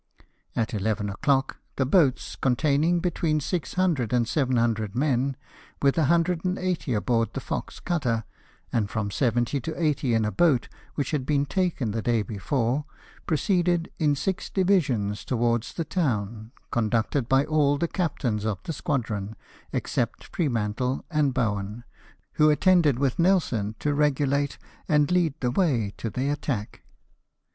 At eleven o'clock the boats, containing between 600 I 2 116 LIFE OF NELSON. and 700 men, with 180 on board the Fox cutter, and from 70 to 80 in a boat which had been taken the day before, proceeded in six divisions towards the town, conducted by all the captains of the squadron, except Freemantle and Bowen, who attended with Nelson to regulate and lead the way to the attack.